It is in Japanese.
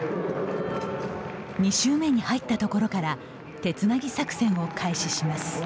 ２周目に入ったところから手つなぎ作戦を開始します。